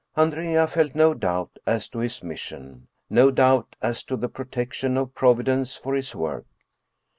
Andrea felt no doubt as to his mission, no doubt as to the protection of Providence for his work.